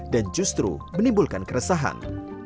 dan justru menimbulkan keresahan